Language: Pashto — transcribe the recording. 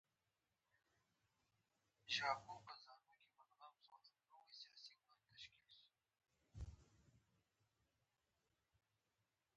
ډاکټر یاورسکي وایي لیک په فارسي ژبه وو.